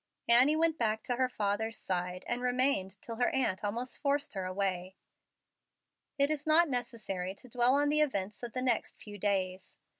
Annie went back to her father's side, and remained till her aunt almost forced her away. It is not necessary to dwell on the events of the next few days.